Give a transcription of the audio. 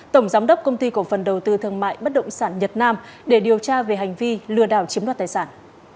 tổng giám đốc công ty cổ phần đầu tư thương mại bất động sản nhật nam để điều tra về hành vi lừa đảo chiếm đoạt tài sản